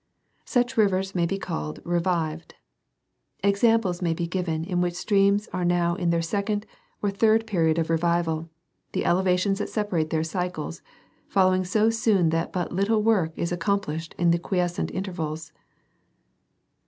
Such rivers may be called revived. Examples may be given in which streams are now in their second or third period of revival, the elevations that separate their cycles following so soon that but little work was accomplished in the quiescent intervals.